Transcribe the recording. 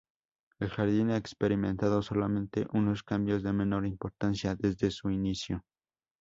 El jardín ha experimentado solamente unos cambios de menor importancia desde su inicio.